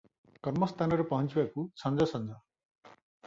କର୍ମ ସ୍ଥାନରେ ପହଞ୍ଚିବାକୁ ସଞ୍ଜ ସଞ୍ଜ ।